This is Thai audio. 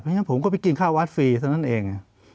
เพราะฉะนั้นผมก็ไปกินข้าววาสฟรีเท่านั้นเอง